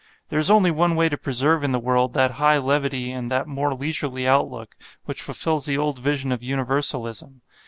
There is only one way to preserve in the world that high levity and that more leisurely outlook which fulfils the old vision of universalism.